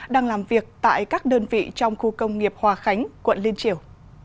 đang làm việc tại các đơn vị trong khu công nghiệp hòa khánh quận liên triều